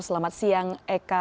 selamat siang eka